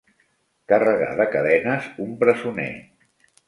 Carregar de cadenes un presoner.